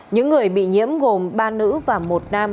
những người bị nhiễm gồm ba nữ và một nam